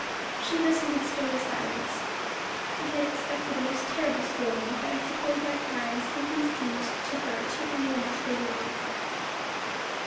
She listened in stony silence. I had expected a terrible scolding, but I suppose my crimes simply seemed to her too enormous for words.